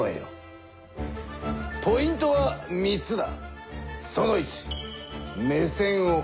ポイントは３つだ。